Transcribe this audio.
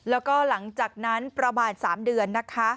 แล้วก็หลังจากนั้นประมาณ๓เดือนนะคะ